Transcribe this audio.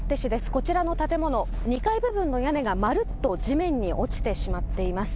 こちらの建物、２階部分の屋根がまるっと地面に落ちてしまっています。